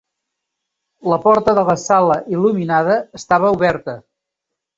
La porta de la sala il·luminada estava oberta.